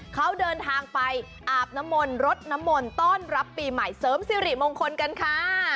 เขาเดินทางไปอาบนมลรถนมลต้อนรับปีใหม่เสริมสิริมงคลกันค่ะ